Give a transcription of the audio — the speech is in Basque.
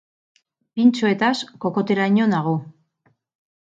Pintxoetaz kokoteraino nago.